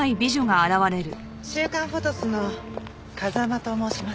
『週刊フォトス』の風間と申します。